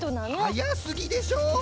はやすぎでしょ